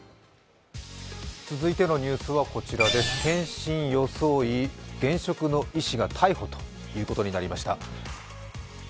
続いてのニュースはこちらです、検診装い現職の医師が逮捕ということになりました。